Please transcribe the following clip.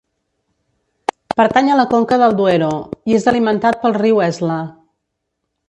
Pertany a la conca del Duero, i és alimentat pel riu Esla.